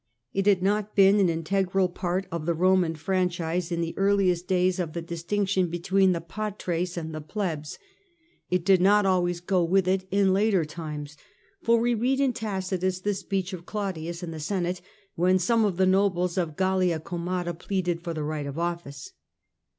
It had not been an integral part of the Roman franchise in the earliest ^ days of the distinction between the patres honorum. and the piebs. It did not always go with it in later times, for we read in Tacitus the speech of Claudius in the Senate when some of the nobles of Gallia Comata pleaded for the right of office.